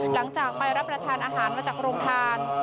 หลังจากไปรับประทานอาหารมาจากโรงทาน